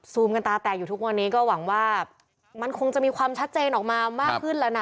กันตาแตกอยู่ทุกวันนี้ก็หวังว่ามันคงจะมีความชัดเจนออกมามากขึ้นแล้วนะ